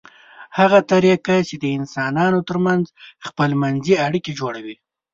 هغه طریقه چې د انسانانو ترمنځ خپلمنځي اړیکې جوړوي